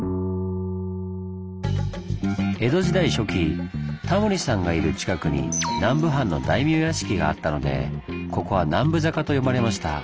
江戸時代初期タモリさんがいる近くに南部藩の大名屋敷があったのでここは「南部坂」と呼ばれました。